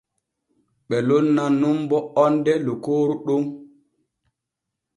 Ɓe lonnan nun bo onde lokooru ɗon.